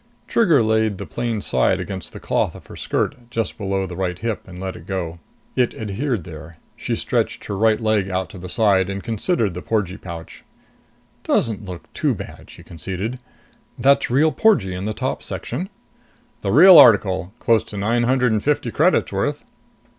Trigger laid the plain side against the cloth of her skirt, just below the right hip, and let go. It adhered there. She stretched her right leg out to the side and considered the porgee pouch. "Doesn't look too bad," she conceded. "That's real porgee in the top section?" "The real article. Close to nine hundred and fifty credits worth."